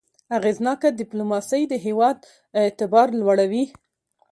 اغېزناکه ډيپلوماسي د هېواد اعتبار لوړوي.